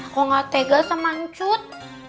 kok gak tega sama cut